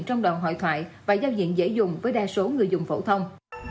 trong đoạn hội thoại và giao diện dễ dùng với đa số người dùng phổ thông